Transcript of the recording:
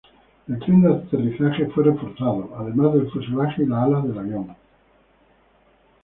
El tren de aterrizaje fue reforzado, además del fuselaje y las alas del avión.